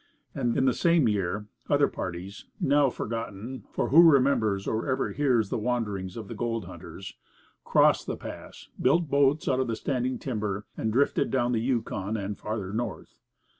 And in the same year, other parties (now forgotten, for who remembers or ever hears the wanderings of the gold hunters?) crossed the Pass, built boats out of the standing timber, and drifted down the Yukon and farther north.